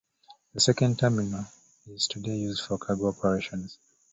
This second terminal is today used for cargo operations.